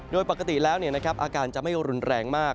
โดยปกติแล้วอาการจะไม่รุนแรงมาก